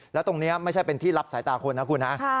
แล้วตรงนี้ไม่ใช่เป็นที่รับสายตาคนนะคุณฮะ